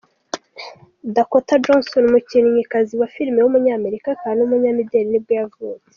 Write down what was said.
Dakota Johnson, umukinnyikazi wa filime w’umunyamerika akaba n’umunyamideli nibwo yavutse.